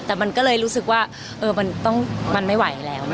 แต่มันก็เลยรู้สึกว่ามันไม่ไหวแล้ว